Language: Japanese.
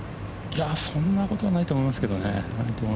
そんなことはないと思いますけど。